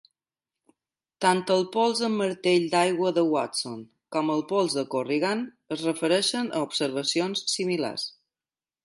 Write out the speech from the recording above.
Tant el "pols en martell d'aigua de Watson" com el "pols de Corrigan" es refereixen a observacions similars.